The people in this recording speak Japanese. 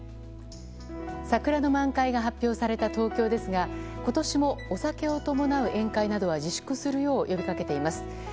桜の満開が発表された東京ですが今年も、お酒を伴う宴会などは自粛するよう呼びかけています。